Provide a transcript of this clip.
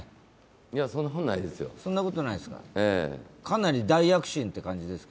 いや、そんなことないですよ。